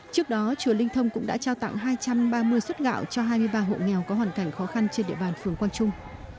trước đó chùa linh thông cũng đã trao tặng hai trăm ba mươi suất gạo cho hai mươi ba hộ nghèo có hoàn cảnh khó khăn trên địa bàn phường quang trung